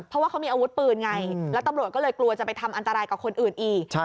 เพราะว่าเขามีอาวุธปืนไงแล้วตำรวจก็เลยกลัวจะไปทำอันตรายกับคนอื่นอีก